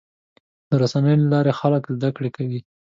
د رسنیو له لارې خلک زدهکړه کوي.